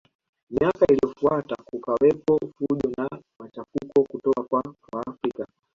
Miaka iliyofuata kukawepo fujo na machafuko kutoka kwa Waafrika